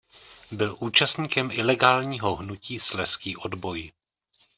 Byl účastníkem ilegálního hnutí Slezský odboj.